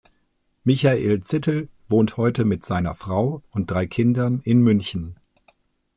Michael Zittel wohnt heute mit seiner Frau und drei Kindern in München.